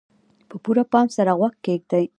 په پوره پام سره غوږ کېږدئ.